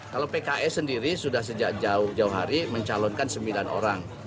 kalau pks sendiri sudah sejak jauh jauh hari mencalonkan sembilan orang